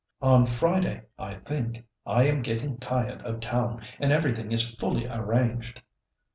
"On Friday, I think. I am getting tired of town, and everything is fully arranged."